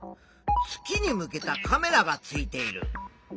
月に向けたカメラがついている。